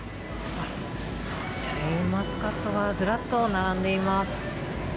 シャインマスカットが、ずらっと並んでいます。